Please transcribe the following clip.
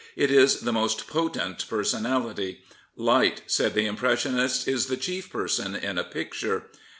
It is the most potent personality. Light, said the Impressionists, is the chief person in a picture.